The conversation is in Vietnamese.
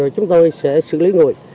chúng tôi sẽ xử lý người